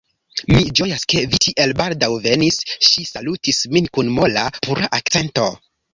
Mi ĝojas, ke vi tiel baldaŭ venis, ŝi salutis min kun mola, pura akcento.